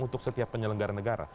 untuk setiap penyelenggara negara